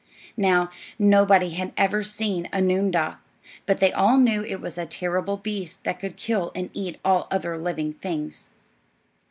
Now, nobody had ever seen a noondah, but they all knew it was a terrible beast that could kill and eat all other living things.